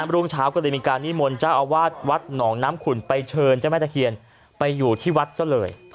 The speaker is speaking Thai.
รุ่งเช้าก็เลยมีการนิมนต์เจ้าอาวาสวัดหนองน้ำขุนไปเชิญเจ้าแม่ตะเคียนไปอยู่ที่วัดซะเลย